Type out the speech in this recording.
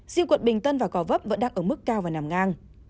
riêng quận bình tân và gò vấp vẫn đang ở mức cao và nằm ngang